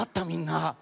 みんな。